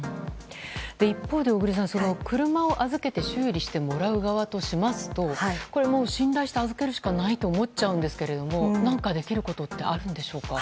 一方で、小栗さん車を預けて修理してもらう側としますともう信頼して預けるしかないと思っちゃうんですが何か、できることってあるんでしょうか？